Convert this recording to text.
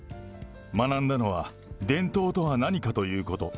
学んだのは伝統とは何かということ。